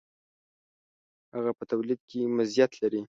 هغه په تولید کې مزیت لري.